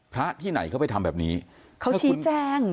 พระที่ไหนเขาไปทำแบบนี้เขาชี้แจง